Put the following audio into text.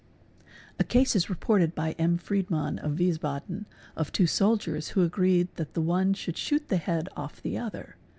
ai A case is reported by M. Freidmann 6 0 of Wiesbaden of tw soldiers who agreed that the one should shoot the head off the other.